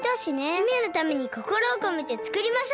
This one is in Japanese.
姫のためにこころをこめてつくりましょう。